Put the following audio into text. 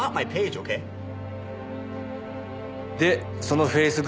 でそのフェイス